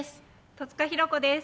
戸塚寛子です。